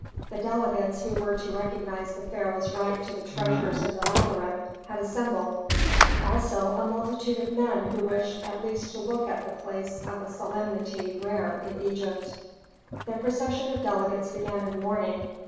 The delegates who were to recognize the pharaoh's right to the treasures in the labyrinth had assembled, also a multitude of men who wished at least to look at the place of a solemnity rare in Egypt. The procession of delegates began in the morning.